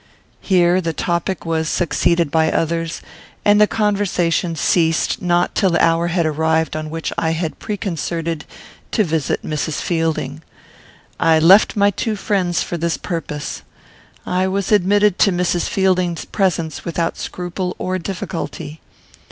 Here this topic was succeeded by others, and the conversation ceased not till the hour had arrived on which I had preconcerted to visit Mrs. Fielding. I left my two friends for this purpose. I was admitted to Mrs. Fielding's presence without scruple or difficulty.